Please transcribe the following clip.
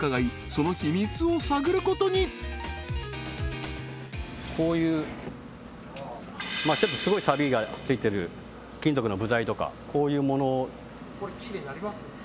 その秘密を探ることにこういうちょっとすごいサビがついてる金属の部材とかこういうもの